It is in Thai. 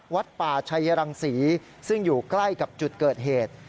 วัดป่าชัยรังศรีซึ่งอยู่ใกล้กับจุดเกิดเหตุ